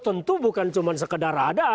tentu bukan cuma sekedar ada